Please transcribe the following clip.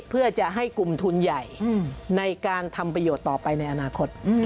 เพื่อจะให้กลุ่มทุนใหญ่ในการทำประโยชน์ต่อไปในอนาคต